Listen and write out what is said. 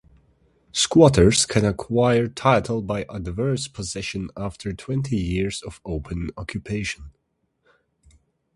Squatters can acquire title by adverse possession after twenty years of open occupation.